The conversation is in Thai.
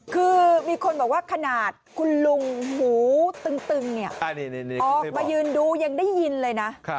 คือมีคนบอกว่าขนาดคุณลุงหูตึงเนี่ยออกมายืนดูยังได้ยินเลยนะ